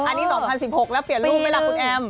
อันนี้๒๐๑๖แล้วเปลี่ยนรูปไหมล่ะคุณแอม